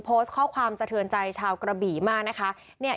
โพสต์ข้อความสะเทือนใจชาวกระบี่มากนะคะเนี่ย